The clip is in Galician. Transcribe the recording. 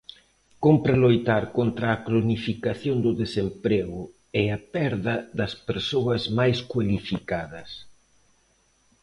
Cómpre loitar contra a cronificación do desemprego e a perda das persoas máis cualificadas.